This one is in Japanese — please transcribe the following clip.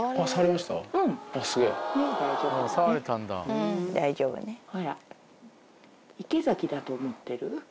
ほら池崎だと思ってる？